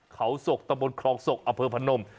เขาศกตะบนคลองศกอเภิร์พนม